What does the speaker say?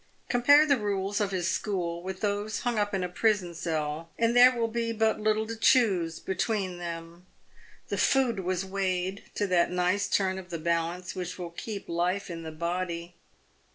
Compare the rules of his school with those hung up in a prison cell, and there will be but little to choose between them. The food was weighed to that nice turn of the balance which will keep life in the body.